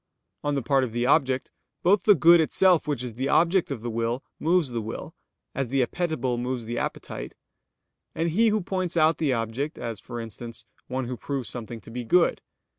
On the part of the object, both the good itself which is the object of the will, moves the will, as the appetible moves the appetite; and he who points out the object, as, for instance, one who proves something to be good.